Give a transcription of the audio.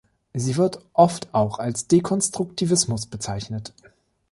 Sie wird oft auch als Dekonstruktivismus bezeichnet.